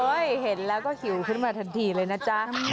เห็นแล้วก็หิวขึ้นมาทันทีเลยนะจ๊ะ